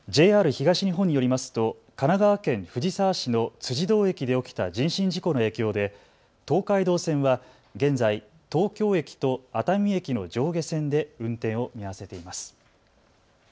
ＪＲ東日本によりますと神奈川県藤沢市の辻堂駅で起きた人身事故の影響で東海道線は現在東京駅と熱海駅の上下線で運転を見合わせています。